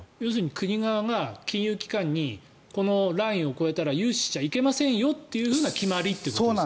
国側が金融機関にこのラインを越えたら融資しちゃいけませんという決まりということですね。